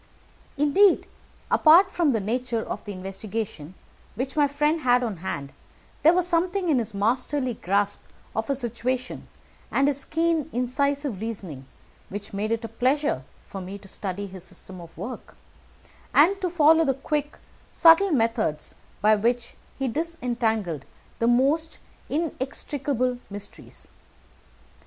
Indeed, apart from the nature of the investigation which my friend had on hand, there was something in his masterly grasp of a situation, and his keen, incisive reasoning, which made it a pleasure to me to study his system of work, and to follow the quick subtle methods by which he disentangled the most inextricable mysteries.